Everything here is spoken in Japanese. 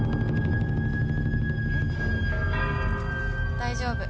大丈夫。